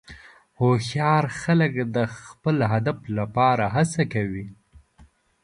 هوښیار خلک د خپل هدف لپاره هڅه کوي.